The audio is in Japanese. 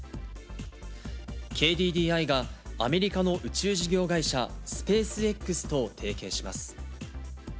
ＫＤＤＩがアメリカの宇宙事業会社、スペースＸと提携します。